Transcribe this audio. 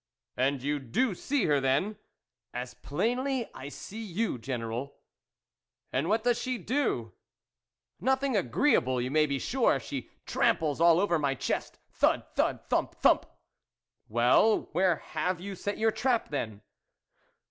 " And you do see her, then ?"" As plainly I see you, General." " And what does she do ?"" Nothing agreeable, you may be sure ; she tramples all over my chest: thud, thud ! thump, thump !"" Well, where have you set your trap, then